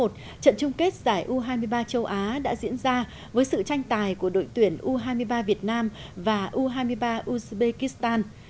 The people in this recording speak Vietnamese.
trận chung kết giải u hai mươi ba châu á đã diễn ra với sự tranh tài của đội tuyển u hai mươi ba việt nam và u hai mươi ba uzbekistan